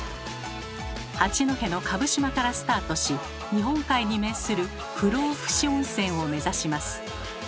八戸の蕪島からスタートし日本海に面する不老ふ死温泉を目指します。